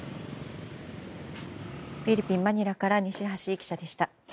フィリピン・マニラから西橋記者でした。